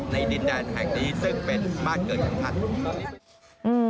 ดินแดนแห่งนี้ซึ่งเป็นบ้านเกิดของท่าน